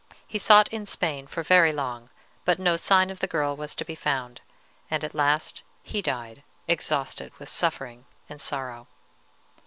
He sought in Spain for very long; but no sign of the girl was to be found, and at last he died, exhausted with suffering and sorrow.